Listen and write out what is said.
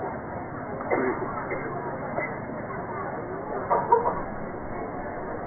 ก็จะมีอันดับอันดับอันดับอันดับอันดับอันดับ